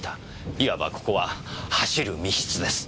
いわばここは走る密室です。